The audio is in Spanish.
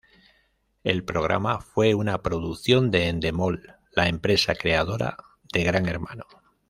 El programa fue una producción de Endemol, la empresa creadora de Gran Hermano.